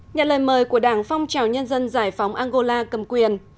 nhận lời mời của đảng phong trào nhân dân giải phóng angola cầm quyền